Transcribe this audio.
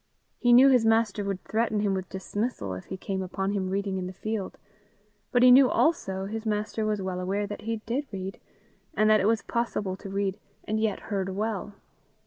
He knew his master would threaten him with dismissal if he came upon him reading in the field, but he knew also his master was well aware that he did read, and that it was possible to read and yet herd well.